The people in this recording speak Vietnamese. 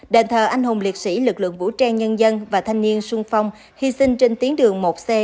đền thờ anh hùng liệt sĩ lực lượng vũ trang nhân dân và thanh niên sung phong hy sinh trên tuyến đường một c